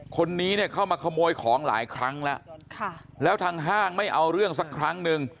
คนนี้เนี่ยเข้ามาขโมยของหลายครั้งแล้วแล้วทางห้างไม่เอาเรื่องสักครั้งหนึ่ง